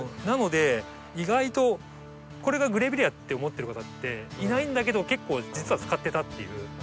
なので意外とこれがグレビレアって思ってる方っていないんだけど結構実は使ってたっていう。